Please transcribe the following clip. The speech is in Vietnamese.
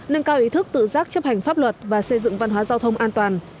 nâng cao ý thức tự giác chấp hành pháp luật và xây dựng văn hóa giao thông an toàn